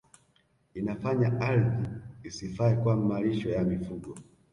Inafanya ardhi isifae kwa malisho ya mifugo